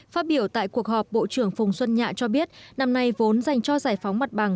phát biểu tại cuộc họp bộ trưởng phùng xuân nhạ cho biết năm nay vốn dành cho giải phóng mặt bằng